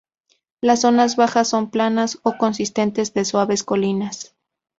Las zonas bajas son planas o consisten de suaves colinas.